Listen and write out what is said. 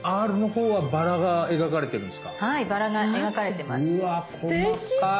うわ細かい。